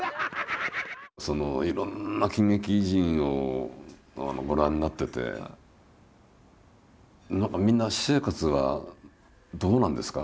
いろんな喜劇人をご覧になってて何かみんな私生活はどうなんですか？